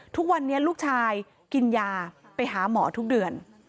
ทุกวันนี้ลูกชายกินยาไปหาหมอทุกเดือน